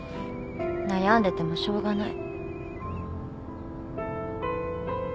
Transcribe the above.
悩んでてもしょうがない。